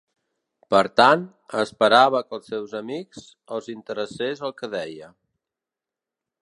Per tant, esperava que als seus amics els interessés el que deia.